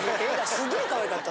すっげぇかわいかった。